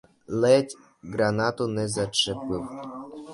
Ледь гранату не зачепив!